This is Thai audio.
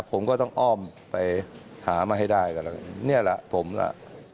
ผมก็ต้องอ้อมไปหามาให้ได้กันแล้วกันเนี่ยแหละผมล่ะ